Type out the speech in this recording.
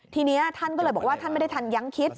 ทีนี้ท่านก็เลยบอกว่าท่านไม่ได้ทันยังคิด